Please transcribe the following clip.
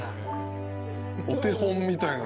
お手本みたいな。